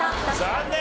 残念！